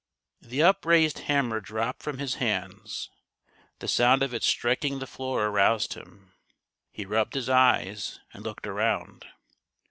The upraised hammer dropped from his hands. The sound of its striking the floor aroused him. He rubbed his eyes and looked around.